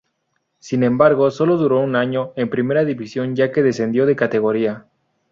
Sin embargo solo duró un año en Primera División ya que descendió de categoría.